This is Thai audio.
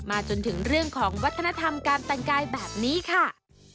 จนถึงเรื่องของวัฒนธรรมการแต่งกายแบบนี้ค่ะ